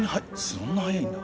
そんな速いんだ。